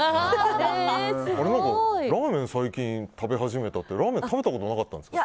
ラーメン、最近食べ始めたってラーメン食べたことなかったんですか。